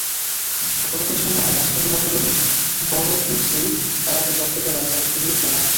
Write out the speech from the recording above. গতকাল সন্ধ্যায় রাজশাহী নগরের বড়কুঠি এলাকায় জব্দ করা জাল পুড়িয়ে ফেলা হয়।